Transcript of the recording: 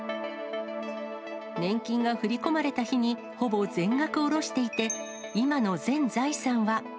年金が振り込まれた日に、ほぼ全額下ろしていて、今の全財産は。